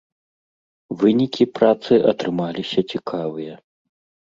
Вынікі працы атрымаліся цікавыя.